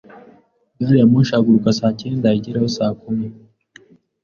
Gari ya moshi ihaguruka saa cyenda, igerayo saa kumi.